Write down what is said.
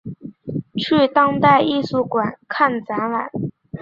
去当代艺术馆看展览